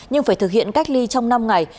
nhưng phải thực hiện cách ly trong năm ngày